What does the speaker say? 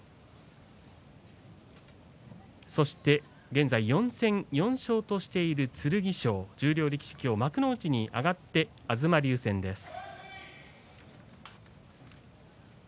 現在４戦４勝としている剣翔十両力士、今日幕内に上がって東龍戦です。